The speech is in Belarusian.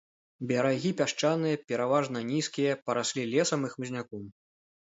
Берагі пясчаныя, пераважна нізкія, параслі лесам і хмызняком.